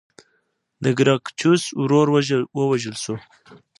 د ګراکچوس ورور ووژل شو.